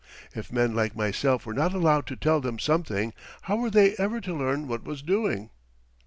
If men like myself were not allowed to tell them something, how were they ever to learn what was doing?